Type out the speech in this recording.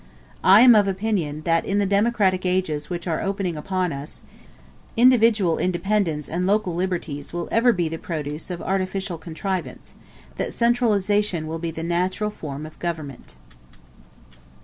I am of opinion, that, in the democratic ages which are opening upon us, individual independence and local liberties will ever be the produce of artificial contrivance; that centralization will be the natural form of government.